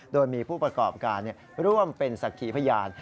โดยมีผู้ประกอบการร่วมเป็นศักดิ์ขีพยาน